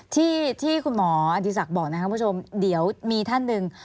ที่ที่คุณหมออดีศักดิ์บอกนะครับคุณผู้ชมเดี๋ยวมีท่านหนึ่ง